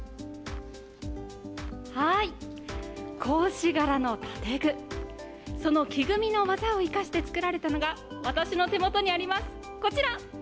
格子柄の建具、その木組みの技を生かして作られたのが、私の手元にあります、こちら。